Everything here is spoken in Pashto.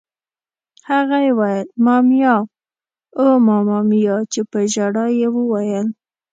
هغه یې ویل: مامیا! اوه ماما میا! چې په ژړا یې وویل.